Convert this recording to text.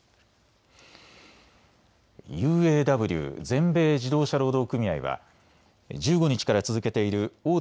ＵＡＷ・全米自動車労働組合は１５日から続けている大手